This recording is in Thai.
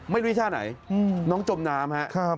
ไม่รู้อีกท่าไหนน้องจมน้ำครับ